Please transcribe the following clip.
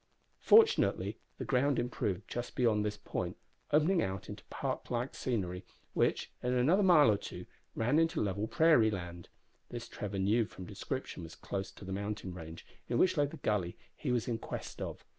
Fortunately the ground improved just beyond this point, opening out into park like scenery, which, in another mile or two, ran into level prairie land. This Trevor knew from description was close to the mountain range, in which lay the gully he was in quest of.